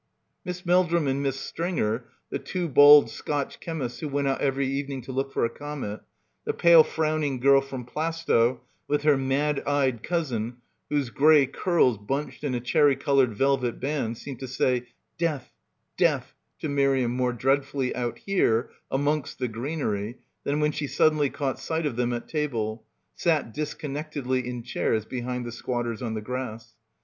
Miss Meldrum and Miss Stringer, the two bald Scotch chemists who went out every evening to look for a comet, the pale frowning girl from Plaistow with her mad eyed cousin whose grey curls bunched in a cherry coloured velvet band seemed to say "death — death" to Miriam more dreadfully out here amongst the greenery than when she suddenly caught sight of them at table, sat disconnectedly in chairs behind the squatters on the grass.